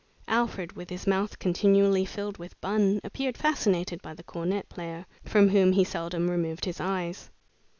Alfred, with his mouth continually filled with bun, appeared fascinated by the cornet player, from whom he seldom removed his eyes.